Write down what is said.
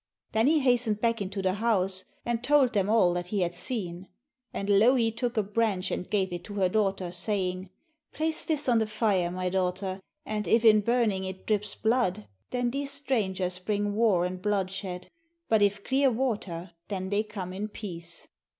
Then he hastened back into the house, and told them all that he had seen. And Louhi took a branch and gave it to her daughter, saying: 'Place this on the fire, my daughter, and if in burning it drips blood, then these strangers bring war and bloodshed; but if clear water, then they come in peace.'